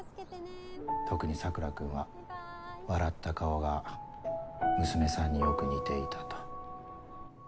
特に桜君は笑った顔が娘さんによく似ていたと。